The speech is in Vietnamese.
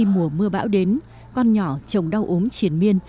mùa mưa bão đến con nhỏ chồng đau ốm triển miên